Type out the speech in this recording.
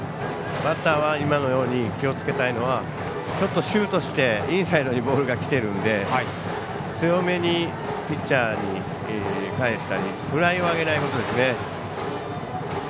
バッターは気をつけたいのはちょっとシュートしてインサイドにボールがきてるので強めにピッチャーに返したりフライを上げないことですね。